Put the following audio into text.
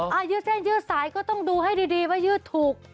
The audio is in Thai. ยืดเส้นยืดสายก็ต้องดูให้ดีว่ายืดถูก